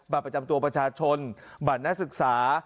ประจำตัวประชาชนบัตรนักศึกษา